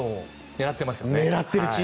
狙ってますよ。